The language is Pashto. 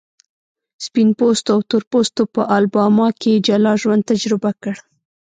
سپین پوستو او تور پوستو په الاباما کې جلا ژوند تجربه کړ.